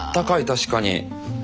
確かに。